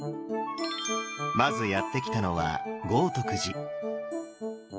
まずやって来たのは豪徳寺。